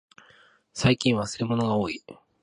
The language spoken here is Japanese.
最近忘れ物がおおい。